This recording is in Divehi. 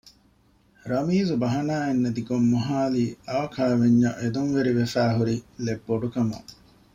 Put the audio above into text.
ރަމީޒު ބަހަނާއެއް ނެތި ގޮށް މޮހައިލީ އައު ކައިވެންޏަށް އެދުންވެރިވެފައި ހުރިލެއް ބޮޑުކަމުން